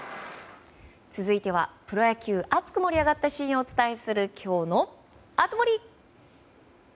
続いてはプロ野球熱く盛り上がったシーンをお伝えするきょうの熱盛！